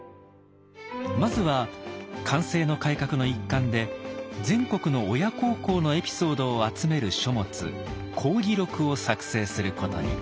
まずは寛政の改革の一環で全国の親孝行のエピソードを集める書物「孝義録」を作成することに。